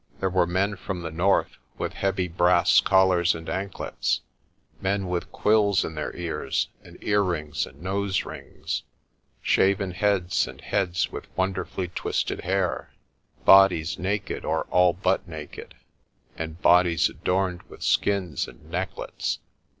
There were men from the north with heavy brass collars and anklets; men with quills in their ears, and ear rings and nose rings; shaven heads and heads with wonder fully twisted hair; bodies naked or all but naked, and bodies adorned with skins and necklets.